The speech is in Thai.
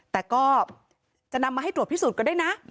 แต่ก็จะนำมาให้ตรวจพิสูจนก็ได้นะ